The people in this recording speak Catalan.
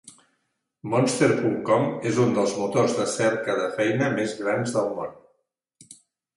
Monster punt com és un dels motors de cerca de feina més grans del món.